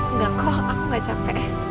enggak kok aku gak capek